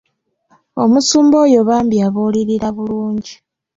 Omusumba oyo bambi abuulirira bulungi.